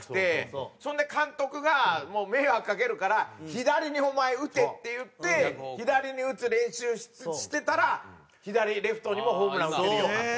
それで監督がもう迷惑かけるから左にお前打てって言って左に打つ練習してたら左レフトにもホームラン打てるようになった。